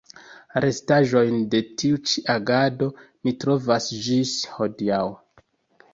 Restaĵojn de tiu ĉi agado ni trovas ĝis hodiaŭ.